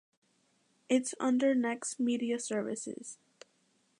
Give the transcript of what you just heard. Its under Next Media Services.